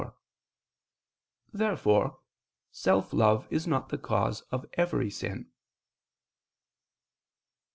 Therefore self love is not the cause of every sin.